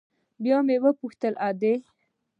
بيا مې وپوښتل ادې.